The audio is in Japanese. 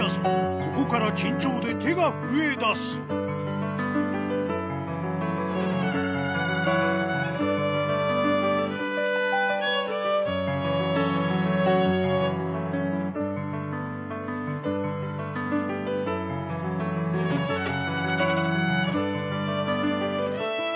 ここから緊張で手が震えだすハハハ。